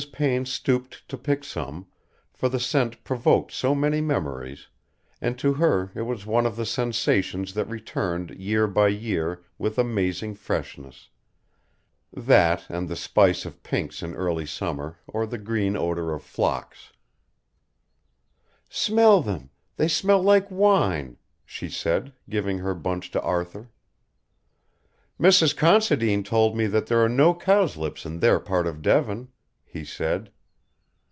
Payne stooped to pick some, for the scent provoked so many memories, and to her it was one of the sensations that returned year by year with amazing freshness that and the spice of pinks in early summer or the green odour of phlox. "Smell them, they smell like wine," she said, giving her bunch to Arthur. "Mrs. Considine told me that there are no cowslips in their part of Devon," he said.